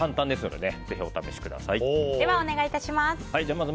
ではお願いします。